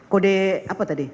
kode apa tadi